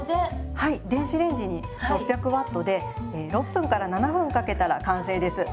はい電子レンジに６００Ｗでえ６分から７分かけたら完成です。